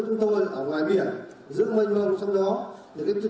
trong bã là một chuyện